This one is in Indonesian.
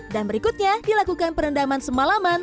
dan berikutnya dilakukan perendaman semalaman